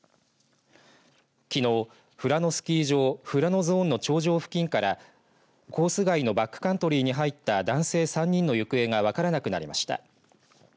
きのう、富良野スキー場富良野ＺＯＮＥの頂上付近からコース外のバックカントリーに入った男性３人の行方が分からなくなりました。